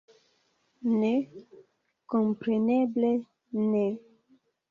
Ne, kompreneble ne!